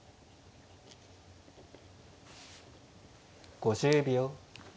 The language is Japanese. ５０秒。